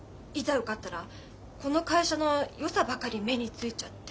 受かったらこの会社のよさばかり目についちゃって。